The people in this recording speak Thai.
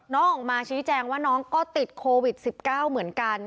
ออกมาชี้แจงว่าน้องก็ติดโควิด๑๙เหมือนกัน